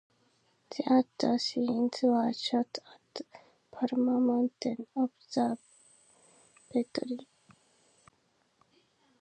The outdoor scenes were shot at Palomar Mountain Observatory.